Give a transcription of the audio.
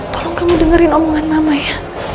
tolong kamu dengerin omongan nama ya